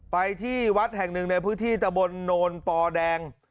ไปที่วัดแห่งหนึ่งในพื้นที่ตะบนโนนปอแดง